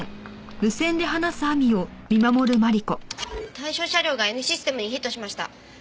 対象車両がＮシステムにヒットしました。